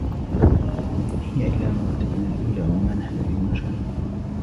إِنْ هِيَ إِلَّا مَوْتَتُنَا الْأُولَى وَمَا نَحْنُ بِمُنْشَرِينَ